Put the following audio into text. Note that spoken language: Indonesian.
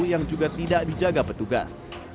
yang juga tidak dijaga petugas